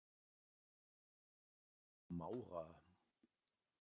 Einer davon ist Maurer.